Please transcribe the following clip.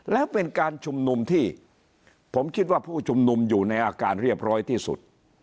แล้วเป็นการชุมนุมที่ผมคิดว่าผู้ชุมนุมอยู่ในอาการเรียบร้อยที่สุด